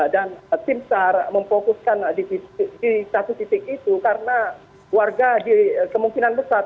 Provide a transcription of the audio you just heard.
dan tim sahara memfokuskan di satu titik itu karena warga di kemungkinan besar